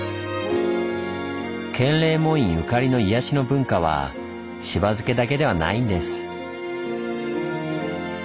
建礼門院ゆかりの「癒やしの文化」はしば漬けだけではないんです。